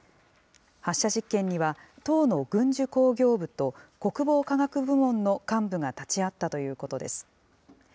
発射実験には、党の軍需工業部と国防科学部門の幹部が立ち会ったということです。